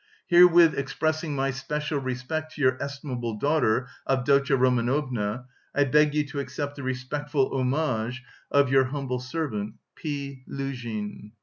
Herewith expressing my special respect to your estimable daughter, Avdotya Romanovna, I beg you to accept the respectful homage of "Your humble servant, "P. LUZHIN."